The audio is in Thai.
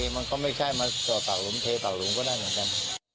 มันก็ไม่ใช่เทต่อลุงเทลุงก็ได้เหมือนเกิน